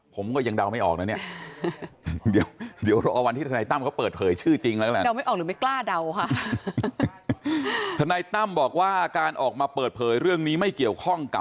ผมก็ยังเดาไม่ออกนะเนี่ยเดี๋ยวรอวันที่ธนัยตั้มเขาเปิดเผยชื่อจริงแล้วก็แล้ว